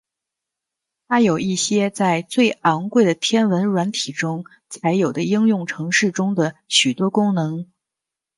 它有一些在最昂贵的天文软体中才有的应用程式中的许多功能。